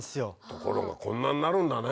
ところがこんなになるんだね。